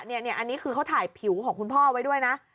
เนี่ยเนี่ยอันนี้คือเขาถ่ายผิวของคุณพ่อไว้ด้วยนะ